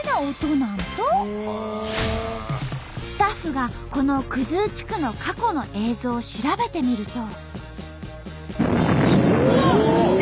スタッフがこの生地区の過去の映像を調べてみると。